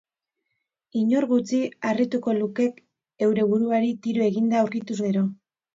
Inor gutxi harrituko lukek heure buruari tiro eginda aurkituz gero.